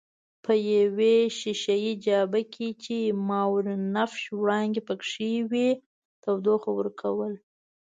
په یوې ښیښه یي جابه کې چې ماورابنفش وړانګې پکښې وې تودوخه ورکول.